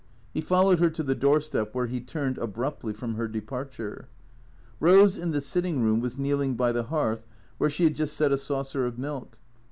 He followed her to the doorstep where he turned abruptly from her departure. Rose in the sitting room was kneeling by the hearth where she had just set a saucer of milk.